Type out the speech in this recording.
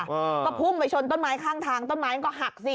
เออก็พุ่งไปชนต้นไม้ข้างทางต้นไม้มันก็หักสิ